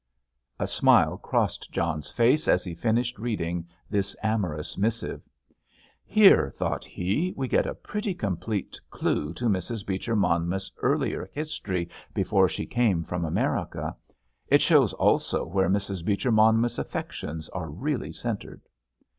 A smile crossed John's face as he finished reading this amorous missive. "Here," thought he, "we get a pretty complete clue to Mrs. Beecher Monmouth's earlier history before she came from America. It shows also where Mrs. Beecher Monmouth's affections are really centred."